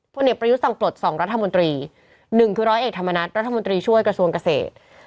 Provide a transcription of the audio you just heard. เด็กประยุทธ์สั่งปลด๒รัฐมนตรี๑คือร้อยเอกธรรมนัฐรัฐมนตรีช่วยกระทรวงเกษตร